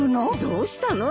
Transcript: どうしたの？